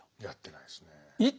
やってないですねぇ。